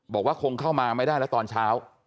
บอกว่าคงเข้ามาไม่ได้แล้วตอนเช้า